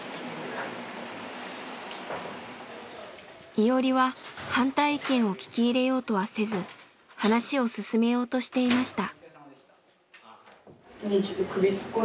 イオリは反対意見を聞き入れようとはせず話を進めようとしていました。